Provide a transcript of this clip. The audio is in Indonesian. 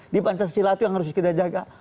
di pancasila itu yang harus kita jaga